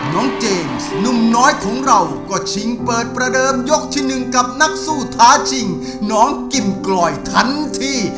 น้องเจมส์หนุ่มน้อยของเราก็ชิงเปิดประเดิมยกที่๑กับนักสู้ท้าชิงน้องกิมกลอยทันที